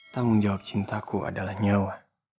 tanggung jawab cintaku adalah nyawa